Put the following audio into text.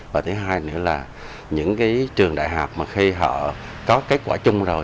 và thứ hai nữa là những cái trường đại học mà khi họ có kết quả chung rồi